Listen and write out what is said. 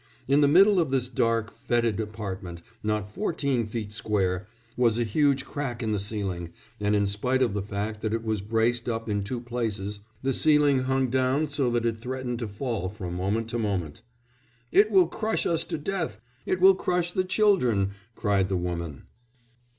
In the middle of this dark foetid apartment, not fourteen feet square, was a huge crack in the ceiling; and in spite of the fact that it was braced up in two places, the ceiling hung down so that it threatened to fall from moment to moment. "'It will crush us to death, it will crush the children,' cried the woman."